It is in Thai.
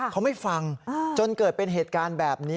เขาไม่ฟังจนเกิดเป็นเหตุการณ์แบบนี้